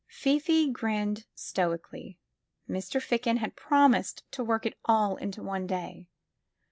'' Fifi grinned stoically. Mr. Fieken had promised to work it all into one day.